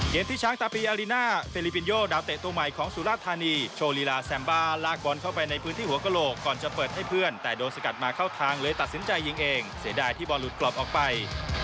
ที่ช้างตาปีอาริน่าเซลิปินโยดาวเตะตัวใหม่ของสุราธานีโชว์ลีลาแซมบาลากบอลเข้าไปในพื้นที่หัวกระโหลกก่อนจะเปิดให้เพื่อนแต่โดนสกัดมาเข้าทางเลยตัดสินใจยิงเองเสียดายที่บอลหลุดกรอบออกไป